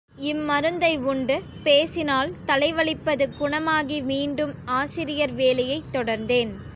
யான் இம்மருந்தை உண்டு, பேசினால் தலை வலிப்பது குணமாகி மீண்டும் ஆசிரியர் வேலையைத் தொடர்ந்தேன்.